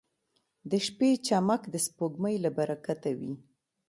• د شپې چمک د سپوږمۍ له برکته وي.